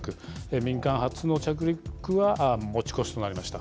民間初の着陸は持ち越しとなりました。